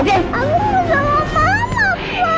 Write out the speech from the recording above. aku mau sama mama mas